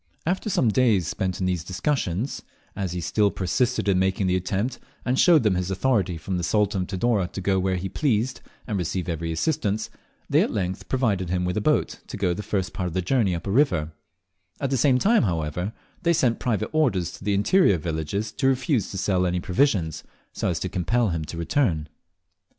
After some days spent in these discussions, as he still persisted in making the attempt, and showed them his authority from the Sultan of Tidore to go where he pleased and receive every assistance, they at length provided him with a boat to go the first part of the journey up a river; at the same time, however, they sent private orders to the interior villages to refuse to sell any provisions, so as to compel him to return.